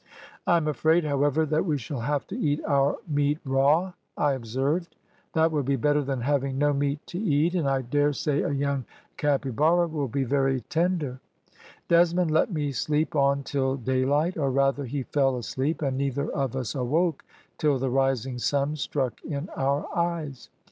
"`I am afraid, however, that we shall have to eat our meat raw,' I observed. "`That will be better than having no meat to eat, and I dare say a young capybara will be very tender.' "Desmond let me sleep on till daylight, or, rather, he fell asleep, and neither of us awoke till the rising sun struck in our eyes.